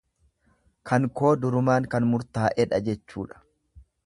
Kan koo durumaan kan murtaa'edha jechuudha.